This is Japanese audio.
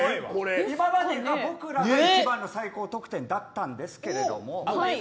今までは僕らが一番の最高得点だったんですけれども。